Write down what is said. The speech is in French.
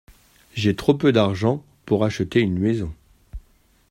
J’ai trop peu d’argent pour acheter une maison.